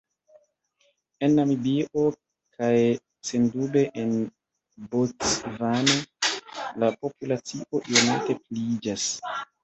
En Namibio kaj sendube en Bocvano, la populacio iomete pliiĝas.